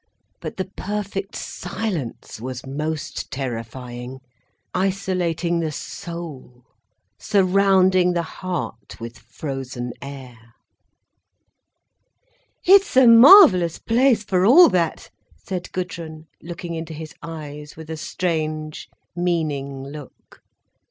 But the perfect silence was most terrifying, isolating the soul, surrounding the heart with frozen air. "It's a marvellous place, for all that," said Gudrun, looking into his eyes with a strange, meaning look.